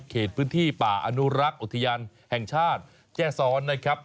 เขตพื้นที่ป่าอนุรักษ์อุทยานแห่งชาติแจ้ซ้อนนะครับ